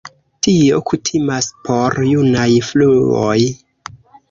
Tio kutimas por junaj fluoj.